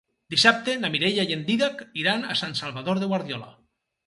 Dissabte na Mireia i en Dídac iran a Sant Salvador de Guardiola.